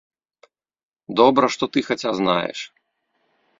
Добра, што ты хаця знаеш!